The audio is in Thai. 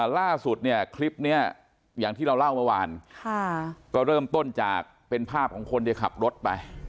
ล่าสุดเนี่ยคลิปนี้อย่างที่เราเล่าเมื่อวานก็เริ่มต้นจากเป็นภาพของคนที่ขับรถไป